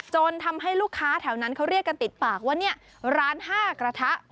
ทำให้ลูกค้าแถวนั้นเขาเรียกกันติดปากว่าเนี่ยร้าน๕กระทะ